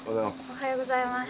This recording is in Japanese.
おはようございます。